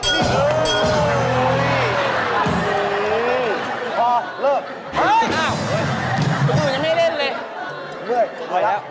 มือหนูยังไม่เล่นเลย